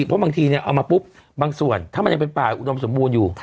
เพราะบางทีเอามาปุ๊บบางส่วนถ้ามันยังเป็นป่าอุดมสมบูรณ์อยู่